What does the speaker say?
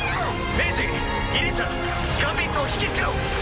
メイジーイリーシャガンビットを引き付けろ！